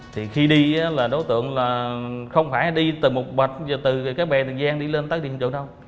thì khi đi là đối tượng là không phải đi từ mục bạch từ các bè tình giang đi lên tới điểm chỗ đâu